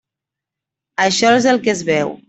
Això és el que es veu.